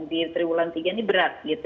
di tribulan tiga ini berat jadi